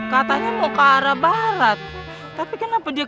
katanya mau ke arah barat tapi kenapa dia